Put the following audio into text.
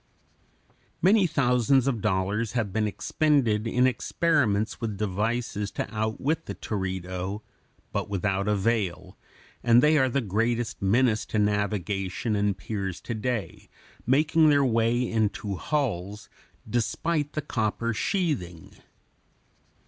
Many thousands of dollars have been expended in experiments with devices to outwit the teredo, but without avail, and they are the greatest menace to navigation and piers to day, making their way into hulls, despite the copper sheathing.